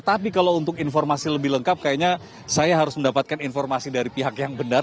tapi kalau untuk informasi lebih lengkap kayaknya saya harus mendapatkan informasi dari pihak yang benar